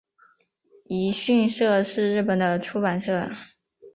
一迅社是日本的出版社。